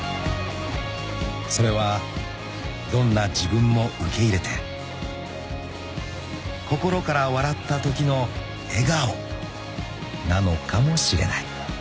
［それはどんな自分も受け入れて心から笑ったときの笑顔なのかもしれない］